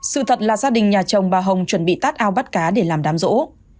sự thật là gia đình nhà chồng bà hồng chuẩn bị tát ao bắt cá để làm đám rỗ